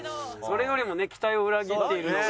それよりもね期待を裏切っているのが。